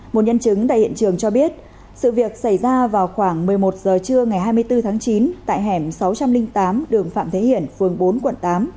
một nhân chứng tại hiện trường cho biết sự việc xảy ra vào khoảng một mươi một h trưa ngày hai mươi bốn tháng chín tại hẻm sáu trăm linh tám đường phạm thế hiển phường bốn quận tám